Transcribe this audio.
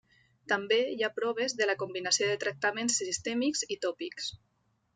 També hi ha proves de la combinació de tractaments sistèmics i tòpics.